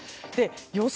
予想